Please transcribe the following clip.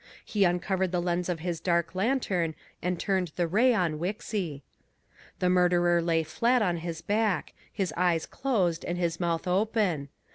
He uncovered the lens of his dark lantern and turned the ray on Wixy. The murderer lay flat on his back, his eyes closed and his mouth open.